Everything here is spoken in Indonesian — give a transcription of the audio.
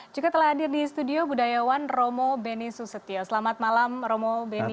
juga telah hadir di studio budayawan romo beni susetio selamat malam romo beni